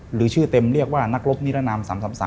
หรือชื่อเต็มเรียกว่านักรบนิรนาม๓๓